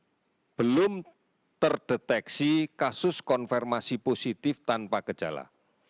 yang belum terdeteksi kasus konfirmasi positif tanpa gejala